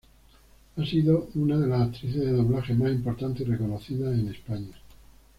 Ha sido una de las actrices de doblaje más importantes y reconocidas en España.